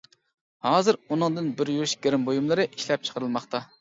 ھازىر ئۇنىڭدىن بىر يۈرۈش گىرىم بۇيۇملىرى ئىشلەپچىقىرىلماقتا.